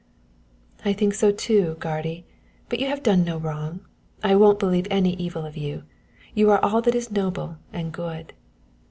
"I think so too, guardy but you have done no wrong. I won't believe any evil of you you are all that is noble and good."